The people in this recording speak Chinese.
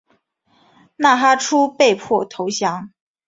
纳哈出被迫投降。